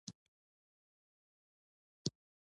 تفسیرو انګېرنو سطح دی.